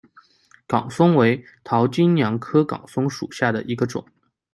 岗松为桃金娘科岗松属下的一个种。